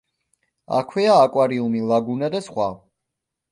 აქვეა აკვარიუმი, ლაგუნა და სხვა.